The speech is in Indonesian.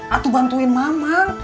itu bantuin mama